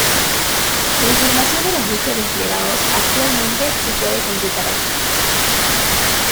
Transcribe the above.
La información de los buques desplegados actualmente se puede consultar aquí.